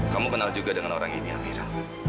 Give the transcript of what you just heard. kamu kenal juga dengan orang ini amira